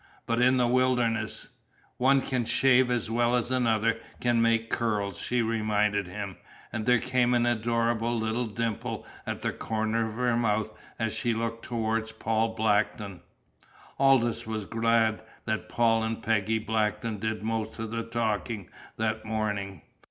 "But in the wilderness " "One can shave as well as another can make curls," she reminded him, and there came an adorable little dimple at the corner of her mouth as she looked toward Paul Blackton. Aldous was glad that Paul and Peggy Blackton did most of the talking that morning.